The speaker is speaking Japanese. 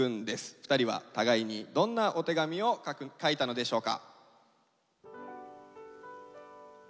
２人は互いにどんなお手紙を書いたのでしょうか。